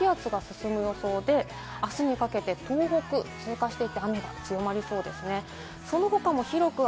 前線上の低気圧が進む予想で、あすにかけて、東北を通過していて雨が強まりそうですね。